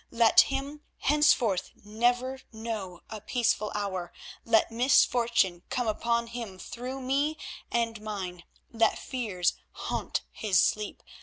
Let him henceforth never know a peaceful hour; let misfortune come upon him through me and mine; let fears haunt his sleep.